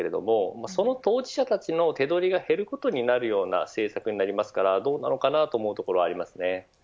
その当事者たちの手取りが減ることになるような政策になるので、どうなのかなと思うところがあります。